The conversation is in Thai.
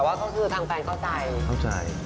แต่ว่าก็คือทางแฟนเข้าใจ